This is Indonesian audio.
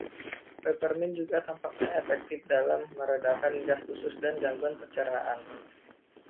Peppermint juga tampaknya efektif dalam meredakan gas usus dan gangguan pencernaan.